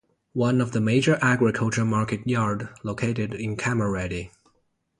One of the major agriculture market yard located in Kamareddy.